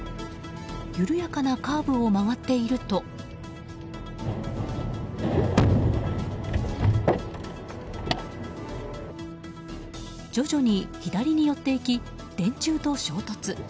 緩やかなカーブを曲がっていると徐々に左に寄っていき電柱と衝突。